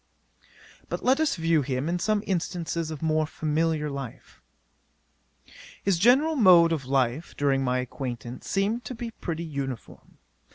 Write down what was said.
'But let us view him in some instances of more familiar life. 'His general mode of life, during my acquaintance, seemed to be pretty uniform.